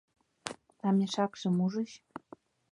— А мешакшым ужыч?